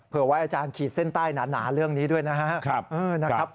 ไว้อาจารย์ขีดเส้นใต้หนาเรื่องนี้ด้วยนะครับ